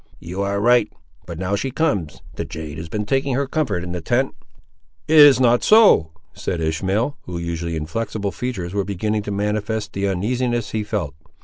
"You ar' right; but now she comes; the jade has been taking her comfort in the tent!" "It is not so," said Ishmael, whose usually inflexible features were beginning to manifest the uneasiness he felt.